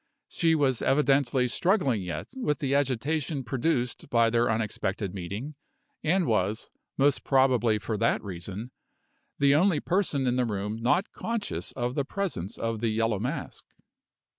She was evidently struggling yet with the agitation produced by their unexpected meeting, and was, most probably for that reason, the only person in the room not conscious of the presence of the Yellow Mask.